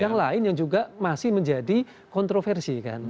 yang lain yang juga masih menjadi kontroversi kan